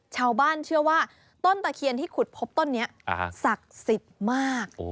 ชาวบ้านเชื่อว่าต้นตะเคียนที่ขุดพบต้นนี้ศักดิ์สิทธิ์มาก